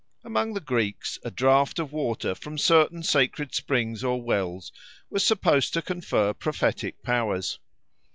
Among the Greeks a draught of water from certain sacred springs or wells was supposed to confer prophetic powers.